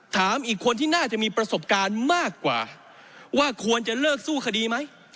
ถามอีกคนที่น่าจะมีประสบการณ์มากกว่าว่าควรจะเลิกสู้คดีไหม